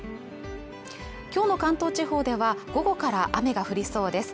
今日の関東地方では午後から雨が降りそうです